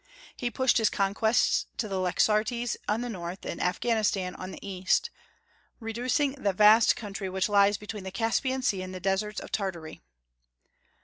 He pushed his conquests to the Iaxartes on the north and Afghanistan on the east, reducing that vast country which lies between the Caspian Sea and the deserts of Tartary.